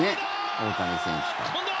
大谷選手と。